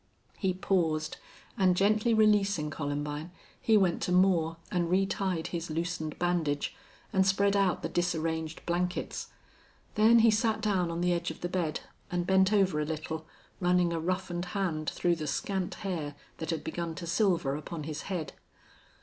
He paused, and, gently releasing Columbine, he went to Moore, and retied his loosened bandage, and spread out the disarranged blankets. Then he sat down on the edge of the bed and bent over a little, running a roughened hand through the scant hair that had begun to silver upon his head.